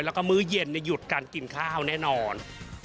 แล้วก็มื้อเย็นหยุดการกินข้าวแน่นอน